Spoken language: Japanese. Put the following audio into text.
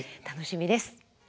楽しみです。